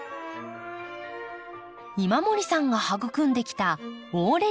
今森さんが育んできたオーレ